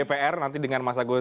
baru dalam pengambilan cta ke cina